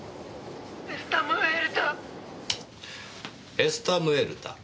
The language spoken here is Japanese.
「エスタムエルタ」。